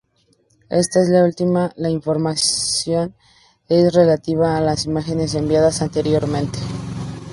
En esta última, la información es relativa a las imágenes enviadas anteriormente.